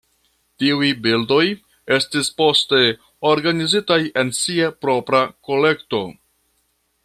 Tiuj bildoj estis poste organizitaj en sia propra kolekto.